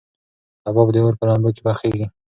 کباب د اور په لمبو کې پخېږي.